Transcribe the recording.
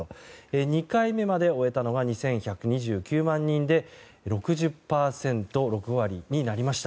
２回目まで終えたのが２１２９万人で６０％６割になりました。